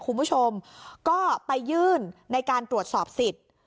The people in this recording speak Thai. คุณผู้ชมก็ไปยื่นในการตรวจสอบสิทธิ์